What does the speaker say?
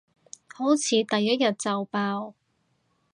好似第一日就爆